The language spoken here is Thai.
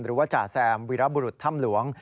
หรือว่าจาแซมวิรบุรุษธรรมหลวง